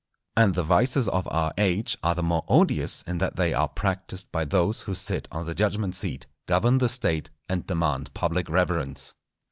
And the vices of our age are the more odious in that they are practised by those who sit on the judgment seat, govern the State, and demand public reverence.